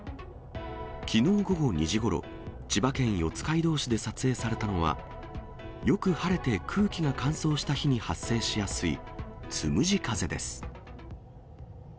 きのう午後２時ごろ、千葉県四街道市で撮影されたのは、よく晴れて空気が乾燥した日に発生しやすい、つむじ風です。